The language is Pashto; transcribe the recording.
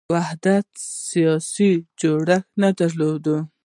واحد سیاسي جوړښت یې نه درلود.